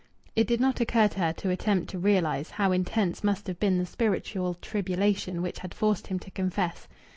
It did not occur to her to attempt to realize how intense must have been the spiritual tribulation which had forced him to confess.